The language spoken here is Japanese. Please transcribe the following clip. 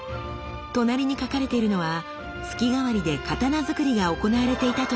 隣に書かれているのは月替わりで刀づくりが行われていたという記録。